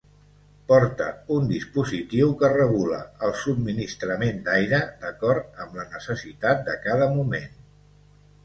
Porta un dispositiu que regula el subministrament d'aire d'acord amb la necessitat de cada moment.